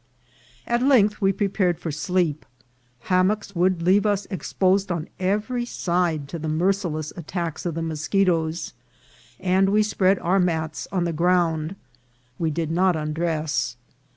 At length we prepared for sleep. Hammocks would leave us exposed on every side to the merciless attacks of the moschetoes, and we spread our mats on the ground. We did not undress.